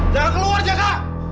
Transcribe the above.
jaka keluar jaka